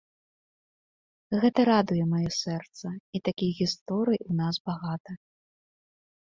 Гэта радуе маё сэрца, і такіх гісторый у нас багата.